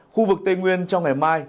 khu vực tây nguyên trong ngày mai